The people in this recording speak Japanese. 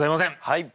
はい。